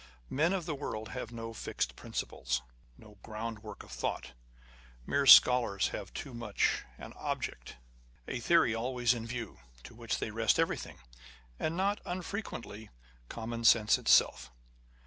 Men of the world have no fixed principles, no groundwork of thought : mere scholars have too much an object, a theory always in view, to which they wrest everything, and not unfrequently, common sense itself.